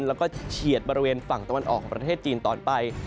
แล้วก็เฉียดบริเวณฝั่งตะวันออกของประเทศจีนต่อไป